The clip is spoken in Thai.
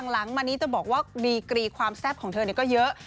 หลังมานี้จะบอกว่าดีกรีความแซ่บของเธอก็เยอะ